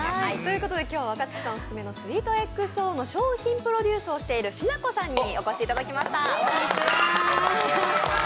今日は若槻さんオススメのＳｗｅｅｔＸＯの商品プロデュースをしているしなこさんにお越しいただきました。